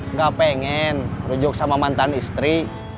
nggak pengen rujuk sama mantan istri